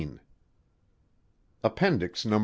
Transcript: _ APPENDIX No.